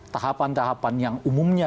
tahapan tahapan yang umumnya